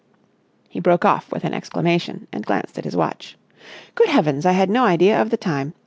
He broke off with an exclamation, and glanced at his watch. "Good Heavens! I had no idea of the time.